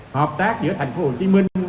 hợp tác giữa thành phố hồ chí minh